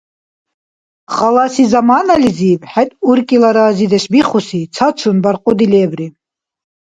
Халаси заманализиб, хӀед уркӀила разидеш бихуси цацун баркьуди лебри